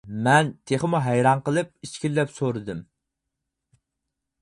مەن تېخىمۇ ھەيران قېلىپ ئىچكىرىلەپ سورىدىم.